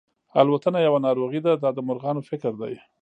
الوتنه یوه ناروغي ده دا د مرغانو فکر دی.